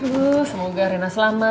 ibu semoga rina selamat